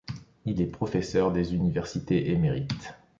Il est professeur des universités émérite.